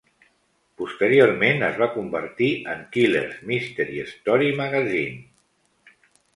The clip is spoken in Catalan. Posteriorment es va convertir en "Killers Mystery Story Magazine".